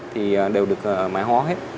thì đều được mã hóa hết